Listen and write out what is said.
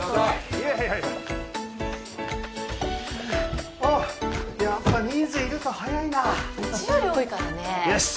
いやいやいやおおやっぱ人数いると早いなうちより多いからねよし